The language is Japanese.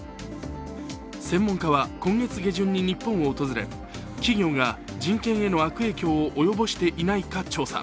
専門家は今月下旬に日本を訪れ企業が人権への悪影響を及ぼしていないか調査。